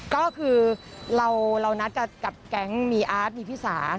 ก็คือเรานัดกับแก๊งมีอาร์ตมีพี่สา